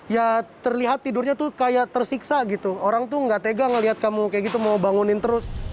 ya terlihat tidurnya tuh kayak tersiksa gitu orang tuh gak tega ngeliat kamu kayak gitu mau bangunin terus